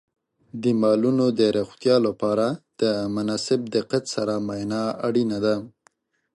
د مالونو د روغتیا لپاره د مناسب دقت سره معاینه اړینه ده.